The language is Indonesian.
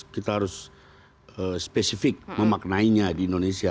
kita harus spesifik memaknainya di indonesia